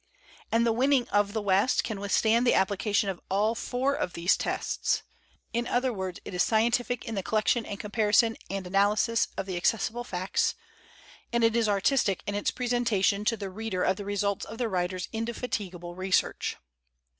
And the 'Winning of the West' can withstand the application of all four of these 246 THEODORE ROOSEVELT AS A MAN OF LETTERS tests. In other words, it is scientific in the col lection and comparison and analysis of the ac cessible facts, and it is artistic in its presenta tion to the reader of the results of the writer's indefatigable research.